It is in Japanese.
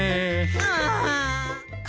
ああ。